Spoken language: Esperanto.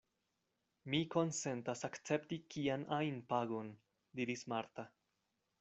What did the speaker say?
Mi konsentas akcepti kian ajn pagon, diris Marta.